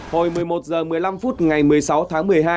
hồi một mươi một h một mươi năm phút ngày một mươi sáu tháng một mươi hai